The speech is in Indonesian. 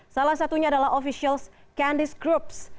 salah satunya adalah officials candis groups